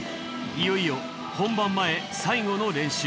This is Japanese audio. いよいよ本番前最後の練習。